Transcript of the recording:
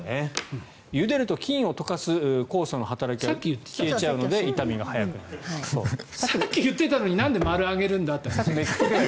ゆでると菌を溶かす酵素の働きが消えちゃうのでさっき言ってたのになんで〇挙げるんだっていう。